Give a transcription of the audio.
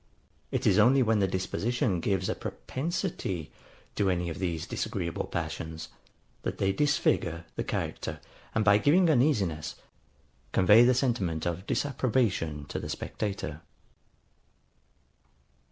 It is only when the disposition gives a PROPENSITY to any of these disagreeable passions, that they disfigure the character, and by giving uneasiness, convey the sentiment of disapprobation to the spectator.